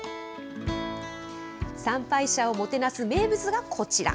参拝者をもてなす名物がこちら。